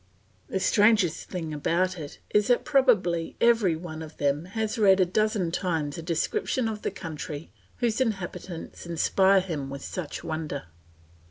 The strangest thing about it is that probably every one of them has read a dozen times a description of the country whose inhabitants inspire him with such wonder.